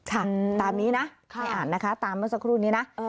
ค่ะตามนี้นะให้อ่านนะคะตามเมื่อสักครู่นี้นะ